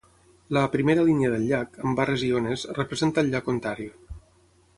La "primera línia del llac", amb barres i ones, representa el llac Ontario.